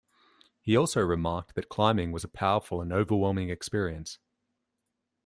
He also remarked that climbing was a powerful and overwhelming experience.